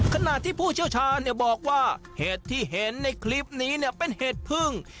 ขณะที่ผู้เชี่ยวชาญบอกว่าเห็ดที่เห็นในคลิปนี้เนี่ยเป็นเห็ดพึ่ง